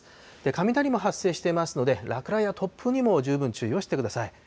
雷も発生していますので、落雷や突風にも十分注意をしてください。